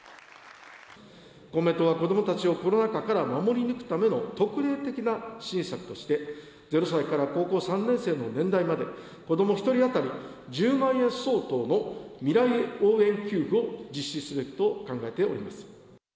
公明党は子どもたちをコロナ禍から守り抜くための特例的な支援策として、０歳から高校３年生の年代まで、子ども１人当たり１０万円相当の、未来応援給付を実施すべきと考えております。